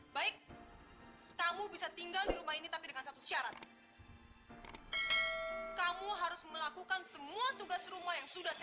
baik kamu bisa tinggal di rumah ini tapi dengan satu syarat